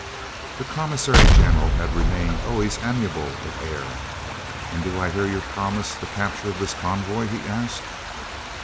The commissary general had remained always amiable of air. "And do I hear you promise the capture of this convoy?" he asked.